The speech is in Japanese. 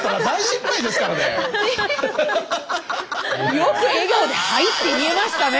よく笑顔で「はい！」って言えましたね！